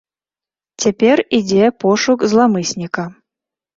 Цяпер ідзе пошук зламысніка.